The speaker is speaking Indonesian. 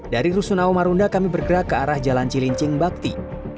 dari rusunawa marunda kami bergerak ke arah jalan cilincing bakti